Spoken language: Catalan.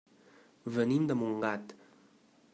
Venim de Montgat.